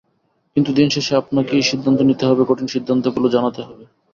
কিন্তু দিন শেষে আপনাকেই সিদ্ধান্ত নিতে হবে, কঠিন সিদ্ধান্তগুলো জানাতে হবে।